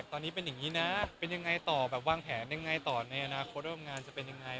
ทีนายเว็บพูดกันกันทุกวัน